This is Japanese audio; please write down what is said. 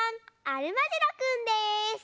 アルマジロくんです！